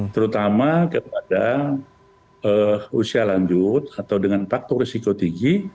terutama kepada usia lanjut atau dengan faktor risiko tinggi